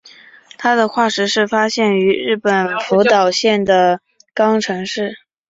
它的化石是发现于日本福岛县的磐城市。